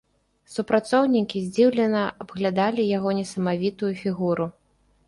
Супрацоўнікі здзіўлена абглядалі яго несамавітую фігуру.